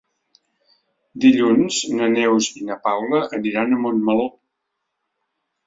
Dilluns na Neus i na Paula aniran a Montmeló.